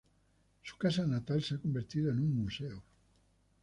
Su casa natal se ha convertido en un museo.